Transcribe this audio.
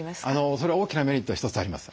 それは大きなメリットが一つあります。